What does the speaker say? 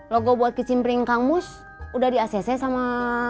logo buat kecimpering kang mus udah di acc sama